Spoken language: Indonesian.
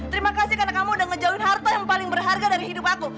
terima kasih karena kamu udah ngejalin harta yang paling berharga dari hidup aku